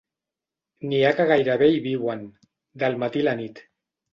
N'hi ha que gairebé hi viuen, del matí a la nit.